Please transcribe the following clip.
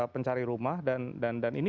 pencari rumah dan ini